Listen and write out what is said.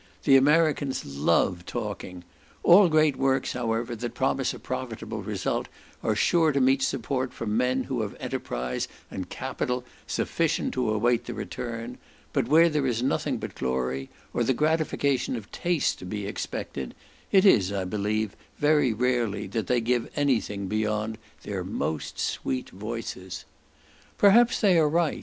The Americans love talking. All great works, however, that promise a profitable result, are sure to meet support from men who have enterprise and capital sufficient to await the return; but where there is nothing but glory, or the gratification of taste to be expected, it is, I believe, very rarely that they give any thing beyond "their most sweet voices." Perhaps they are right.